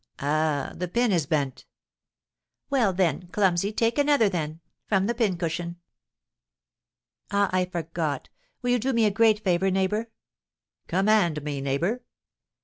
"Ah, the pin is bent." "Well, then, clumsy, take another then, from the pincushion. Ah, I forgot! Will you do me a great favour, neighbour?" "Command me, neighbour."